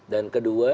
dan kedua juga oke